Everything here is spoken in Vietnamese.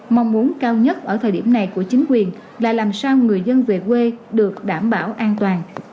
mong muốn cao nhất ở thời điểm này của chính quyền là làm sao người dân về quê được đảm bảo an toàn